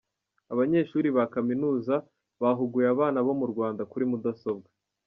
Abanyeshuri ba Kaminuza bahuguye abana bo mu Rwanda kuri mudasobwa